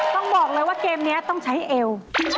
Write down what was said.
ต้องบอกเลยว่าเกมนี้ต้องใช้เอว